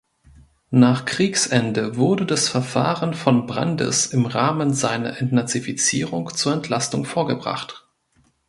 Nach Kriegsende wurde das Verfahren von Brandes im Rahmen seiner Entnazifizierung zur Entlastung vorgebracht.